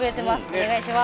お願いします。